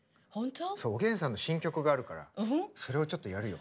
おげんさんの新曲があるからそれをちょっとやるよ。